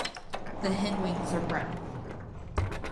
The hindwings are brown.